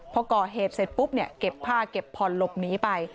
พอก่อเหตุเสร็จปุ๊บเนี่ยเก็บผ้าเก็บผ่อนหลบหนีไป